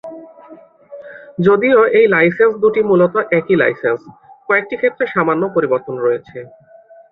যদিও এই লাইসেন্স দুটি মূলত একই লাইসেন্স, কয়েকটি ক্ষেত্রে সামান্য পরিবর্তন রয়েছে।